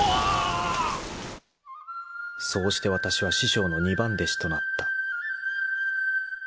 ［そうしてわたしは師匠の二番弟子となった］